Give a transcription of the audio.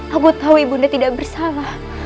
aku tau ibu nda tidak bersalah